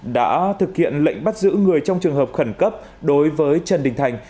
đã thực hiện lệnh bắt giữ người trong trường hợp khẩn cấp đối với trần đình thành